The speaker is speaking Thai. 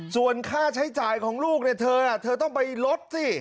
ส่วนค่าใช้จ่ายของลูกเธอเธอต้องไปลดสิ